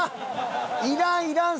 いらんいらん！